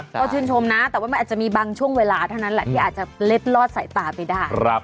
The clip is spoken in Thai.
ก็ชื่นชมนะแต่ว่ามันอาจจะมีบางช่วงเวลาเท่านั้นแหละที่อาจจะเล็ดลอดสายตาไปได้